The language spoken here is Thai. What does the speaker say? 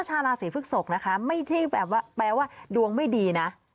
ชาวราศีพึกศกนะคะไม่ได้แปลว่าดวงไม่ดีนะ